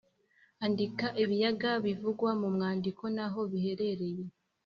andika ibiyaga bivugwa mu mwandiko n’aho biherereye.